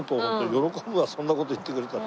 喜ぶわそんな事言ってくれたら。